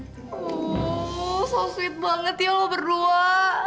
oh so sweet banget ya lo berdua